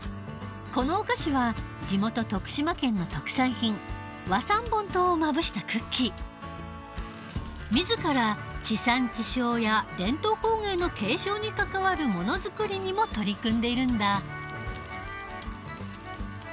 このお菓子は地元徳島県の特産品自ら地産地消や伝統工芸の継承に関わるものづくりにも取り組んでいるんだ。